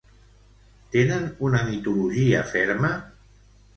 Tenen una mitologia ferma?